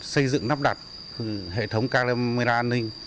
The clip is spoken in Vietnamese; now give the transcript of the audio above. xây dựng nắp đặt hệ thống các nguồn tin an ninh